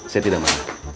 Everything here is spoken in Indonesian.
saya tidak marah